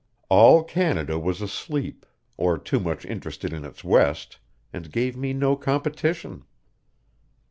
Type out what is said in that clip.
All Canada was asleep, or too much interested in its west, and gave me no competition.